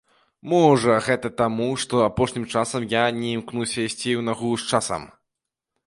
Можа, гэта таму, што апошнім часам я не імкнуся ісці ў нагу з часам.